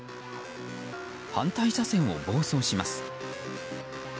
反対車線を暴走します。